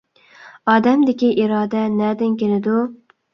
ئادەمدىكى ئىرادە نەدىن كېلىدۇ؟